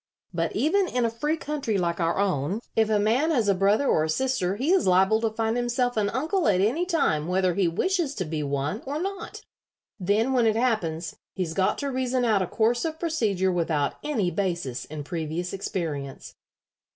But even in a free country like our own, if a man has a brother or a sister he is liable to find himself an uncle at any time whether he wishes to be one or not. Then when it happens he's got to reason out a course of procedure without any basis in previous experience."